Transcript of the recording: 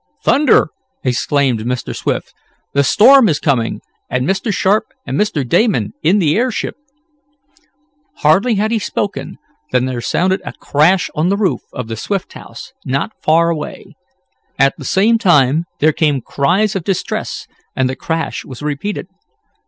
"Thunder!" exclaimed Mr. Swift. "The storm is coming, and Mr. Sharp and Mr. Damon in the airship " Hardly had he spoken than there sounded a crash on the roof of the Swift house, not far away. At the same time there came cries of distress, and the crash was repeated.